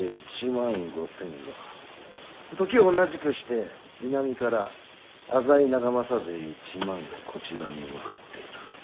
時を同じくして南から浅井長政勢１万がこちらに向かっている。